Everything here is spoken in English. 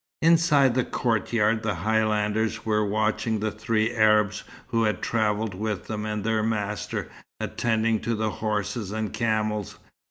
Inside the courtyard, the Highlanders were watching the three Arabs who had travelled with them and their master, attending to the horses and camels.